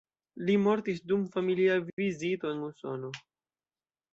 Li mortis dum familia vizito en Usono.